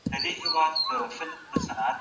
آیا د کرنې مضمون په کلیوالو ښوونځیو کي سته؟